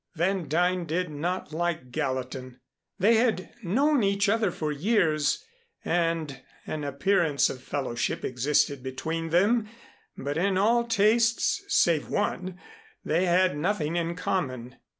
Van Duyn did not like Gallatin. They had known each other for years, and an appearance of fellowship existed between them, but in all tastes save one they had nothing in common.